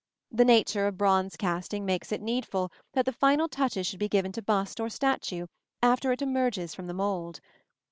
The nature of bronze casting makes it needful that the final touches should be given to bust or statue after it emerges from the mould.